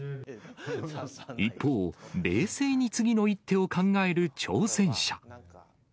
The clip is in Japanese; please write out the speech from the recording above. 一方、冷静に次の一手を考える挑戦者。